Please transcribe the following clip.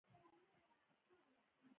بحث باید د احترام پر بنسټ وي.